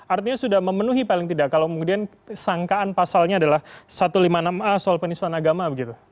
artinya sudah memenuhi paling tidak kalau kemudian sangkaan pasalnya adalah satu ratus lima puluh enam a soal penistaan agama begitu